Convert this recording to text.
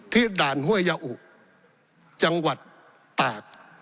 ที่ด่านห้วยยะอุกตาค